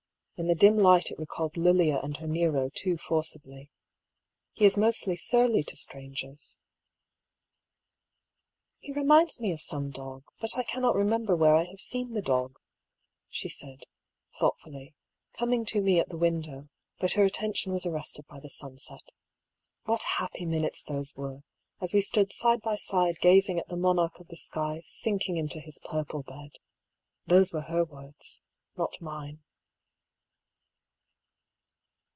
In the dim light it recalled Lilia and her Nero too forcibly. " He is mostly surly to strangers." " He reminds me of some dog, but I cannot remem ber where I have seen the dog," she said, thoughtfully, coming to me at the window, but her attention was ar rested by the sunset. What happy minutes those were, as we stood side by side gazing at the monarch of the sky sinking into his purple bed ! (Those were her words, not mine.)